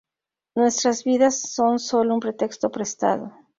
Nuestras vidas son solo un pretexto prestado.